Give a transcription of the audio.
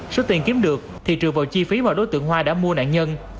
số tiền kiếm được thì trừ vào chi phí mà đối tượng hoa đã mua nạn nhân